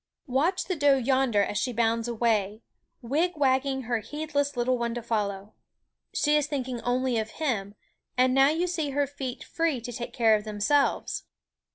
Watch the doe yonder as she bounds away, wigwagging her heedless little one to follow. She is thinking only of him; and now you see her feet free to take care of themselves.